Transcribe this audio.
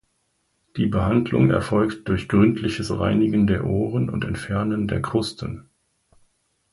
Die Behandlung erfolgt durch gründliches Reinigen der Ohren und Entfernen der Krusten.